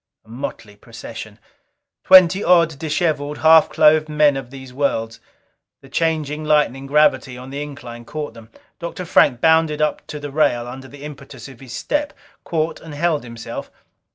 Motley procession! Twenty odd, disheveled, half clothed men of these worlds. The changing, lightening gravity on the incline caught them. Dr. Frank bounded up to the rail under the impetus of his step; caught and held himself.